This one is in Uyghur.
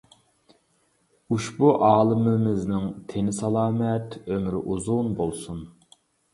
ئۇشبۇ ئالىمىمىزنىڭ تېنى سالامەت، ئۆمرى ئۇزۇن بولسۇن.